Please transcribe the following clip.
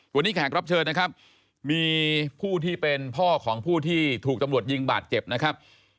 วันนี้แขกรับเชิญนะครับมีผู้ที่เป็นพ่อของผู้ที่ถูกตำรวจยิงบาดเจ็บนะครับ